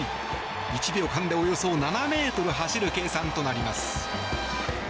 １秒間でおよそ７ｍ走る計算となります。